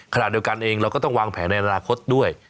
ขณะเดียวกันเองเราก็ต้องวางแผนในอนาคตด้วย